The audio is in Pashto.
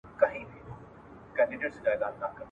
هم دنیا هم یې عقبی دواړه بادار وي ..